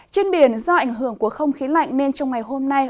trên biển do ảnh hưởng của không khí lạnh nên trong ngày hôm nay